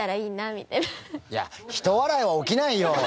いやひと笑いは起きないよ。